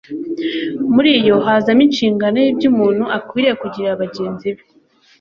muri yo hazamo inshingano y'iby'umuntu akwiriye kugirira bagenzi be.